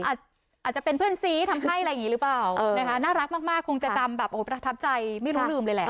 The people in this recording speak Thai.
อาจจะเป็นเพื่อนซีทำให้อะไรอย่างนี้หรือเปล่านะคะน่ารักมากคงจะจำแบบโอ้โหประทับใจไม่รู้ลืมเลยแหละ